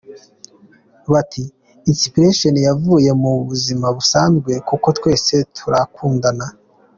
Bati: “Inspiration yavuye mu buzima busanzwe kuko twese turakundana.